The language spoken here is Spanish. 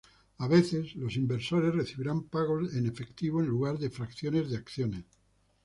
A veces, los inversores recibirán pagos en efectivo en lugar de fracciones de acciones.